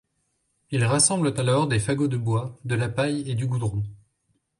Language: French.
Ils rassemblent alors des fagots de bois, de la paille et du goudron.